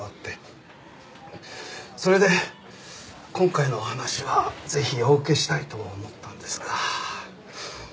それで今回のお話はぜひお受けしたいと思ったんですが。